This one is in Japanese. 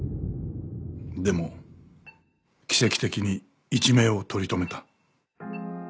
でも奇跡的に一命を取り留めた。